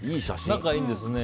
仲いいんですね